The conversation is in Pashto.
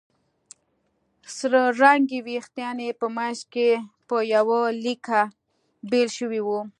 سره رنګي وېښتان یې په منځ کې په يوه ليکه بېل شوي وو